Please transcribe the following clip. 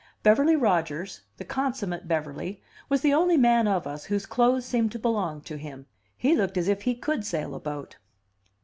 Beverly Rodgers, the consummate Beverly, was the only man of us whose clothes seemed to belong to him; he looked as if he could sail a boat.